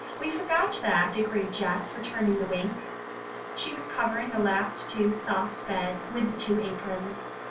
We forgot that," agreed Jess, returning the wink. She was covering the last two soft beds with the two aprons.